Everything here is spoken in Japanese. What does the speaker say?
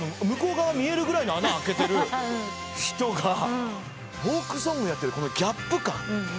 向こう側見えるぐらいの穴開けてる人がフォークソングをやってるこのギャップ感。